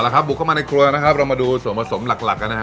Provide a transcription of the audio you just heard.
กลุ่มเข้ามาในครัวมันมาดูส่วนผสมหลักนะฮะ